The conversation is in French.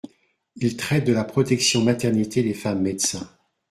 Il traite de la protection maternité des femmes médecins.